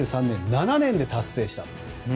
７年で達成したと。